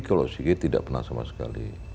kalau ocg tidak pernah sama sekali